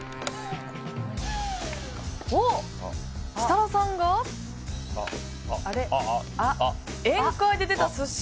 設楽さんが宴会で出た寿司。